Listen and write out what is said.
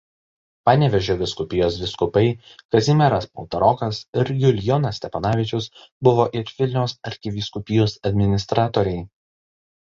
Panevėžio vyskupijos vyskupai Kazimieras Paltarokas ir Julijonas Steponavičius buvo ir Vilniaus arkivyskupijos administratoriai.